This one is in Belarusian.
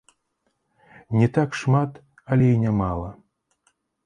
Не так шмат, але і нямала!